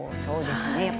そうですね。